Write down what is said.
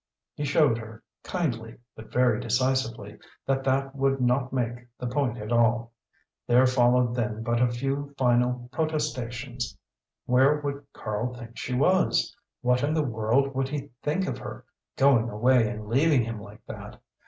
He showed her, kindly, but very decisively, that that would not make the point at all. There followed then but a few final protestations. Where would Karl think she was? What in the world would he think of her going away and leaving him like that?